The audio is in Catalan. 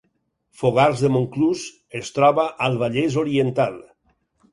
Fogars de Montclús es troba al Vallès Oriental